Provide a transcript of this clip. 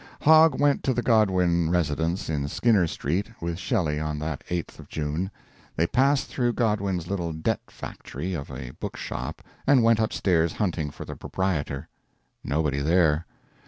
Hogg went to the Godwin residence in Skinner Street with Shelley on that 8th of June. They passed through Godwin's little debt factory of a book shop and went up stairs hunting for the proprietor. Nobody there.